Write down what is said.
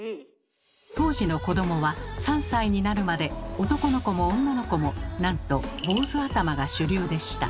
当時の子どもは３歳になるまで男の子も女の子もなんと坊主頭が主流でした。